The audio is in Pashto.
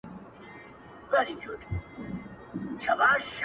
ستا بې لیدلو چي له ښاره وځم,